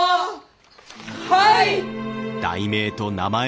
はい！